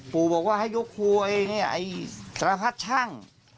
ปู่บอกว่าให้ยกครูไอ้นี่ไอ้สระพัดช่าง